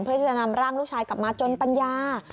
เพื่อจะนำร่างลูกชายกลับมาจนปัญญา